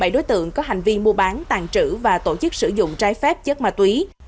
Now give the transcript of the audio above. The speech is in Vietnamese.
bảy đối tượng có hành vi mua bán tàn trữ và tổ chức sử dụng trái phép chất ma túy